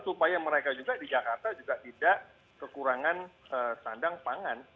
supaya mereka juga di jakarta juga tidak kekurangan sandang pangan